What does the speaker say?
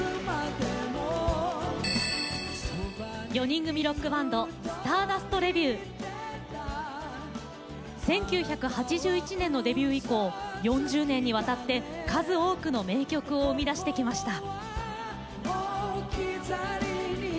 ４人組ロックバンド１９８１年のデビュー以降４０年にわたって数多くの名曲を生み出してきました。